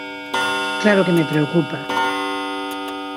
¡Claro que me preocupa!